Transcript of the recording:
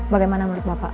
bagaimana menurut bapak